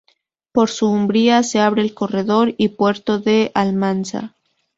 Por su umbría se abre el corredor y puerto de Almansa.